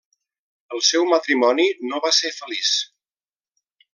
El seu matrimoni no va ser feliç.